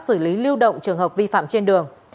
xử lý lưu động trường hợp vi phạm trên đường